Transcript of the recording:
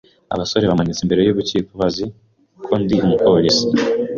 Abasore bamanitse imbere yububiko bazi ko ndi umupolisi.